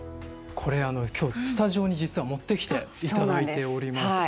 これ今日スタジオに実は持ってきていただいております。